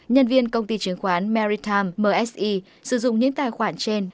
nhân viên công ty chứng khoán maritime msi sử dụng những tài khoản trên